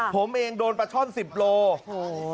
ผมเองโดนประช่อน๑๐กิโลกรัม